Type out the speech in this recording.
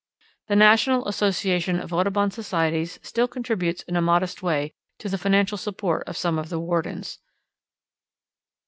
The National Association of Audubon Societies still contributes in a modest way to the financial support of some of the wardens.